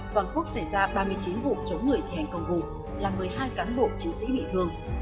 toàn quốc xảy ra ba mươi chín vụ chống người thi hành công vụ làm một mươi hai cán bộ chiến sĩ bị thương